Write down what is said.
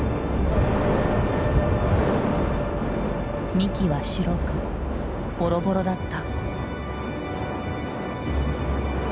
幹は白くボロボロだった。